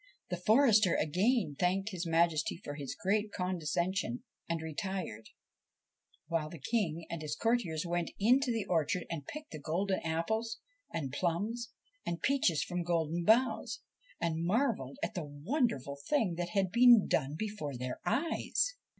The forester again thanked his Majesty for his great con descension and retired, while the King and his courtiers went into the orchard and picked golden apples and plums and peaches from golden boughs, and marvelled at the wonderful thing that had been done before their eyes.